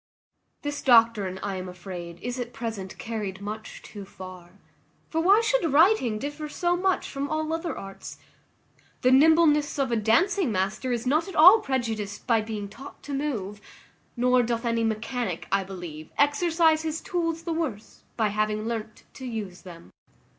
This doctrine, I am afraid, is at present carried much too far: for why should writing differ so much from all other arts? The nimbleness of a dancing master is not at all prejudiced by being taught to move; nor doth any mechanic, I believe, exercise his tools the worse by having learnt to use them.